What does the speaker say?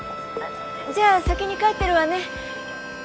じゃあ先に帰ってるわね。